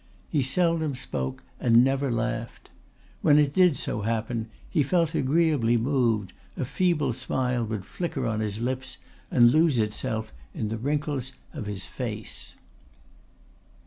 He seldom spoke, and never laughed. When it did so happen that he felt agreeably moved, a feeble smile would flicker on his lips and lose itself in the wrinkles of his face.